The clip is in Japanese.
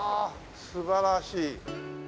素晴らしい。